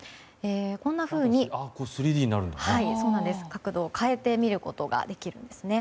こんなふうに角度を変えて見ることができるんですね。